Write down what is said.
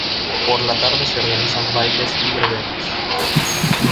Por la tarde se organizan bailes y verbenas.